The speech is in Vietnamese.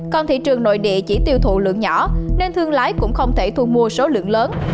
còn thị trường nội địa chỉ tiêu thụ lượng nhỏ nên thương lái cũng không thể thu mua số lượng lớn